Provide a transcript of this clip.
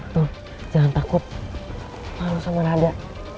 tuh jangan takut malu sama nada